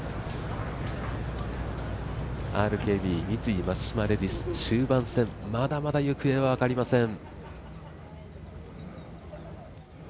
ＲＫＢ×三井松島レディス終盤戦、まだまだ行方は分かりません。